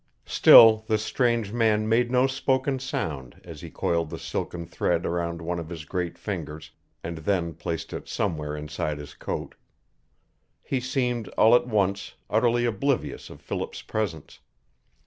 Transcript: Still this strange man made no spoken sound as he coiled the silken thread around one of his great fingers and then placed it somewhere inside his coat. He seemed, all at once, utterly oblivious of Philip's presence.